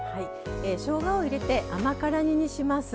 しょうがを入れて甘辛煮にします。